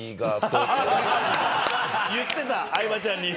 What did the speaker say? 言ってた相葉ちゃんに。